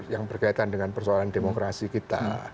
yang berkaitan dengan persoalan demokrasi kita